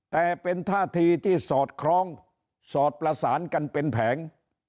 แต่เป็นท่าทีที่สอดคล้องสอดประสานกันเป็นแผง